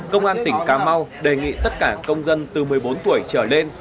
công an tỉnh cà mau đề nghị tất cả công dân từ một mươi bốn tuổi trở lên